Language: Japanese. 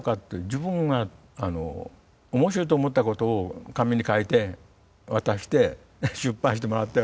自分は面白いと思ったことを紙に書いて渡して出版してもらってお酒飲んでるって。